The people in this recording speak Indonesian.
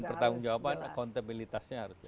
dan pertanggung jawabannya akuntabilitasnya harus jelas